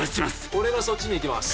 俺がそっちに行きます